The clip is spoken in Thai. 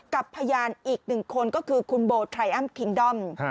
กับพยานอีกหนึ่งคนก็คือคุณโบไทรอัมคิงดอม